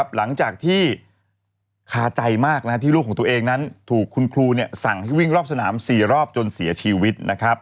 หลังจากที่คาใจมากที่ลูกของตัวเองนั้นถูกคุณครูสั่งให้วิ่งรอบสนาม๔รอบจนเสียชีวิต